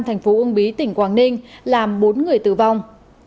thành phố uông bí tỉnh quảng ninh làm bốn người tử vong